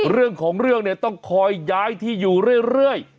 เรื่องของเรื่องเนี่ยต้องคอยย้ายที่อยู่เรื่อย